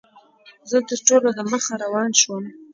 زه تر ټولو دمخه روان شوم.